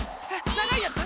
長いやつ？